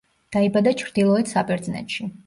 დაიბადა ჩრდილოეთ საბერძნეთში.